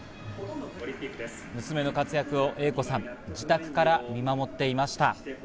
娘の活躍を英子さん、自宅から見守っていました。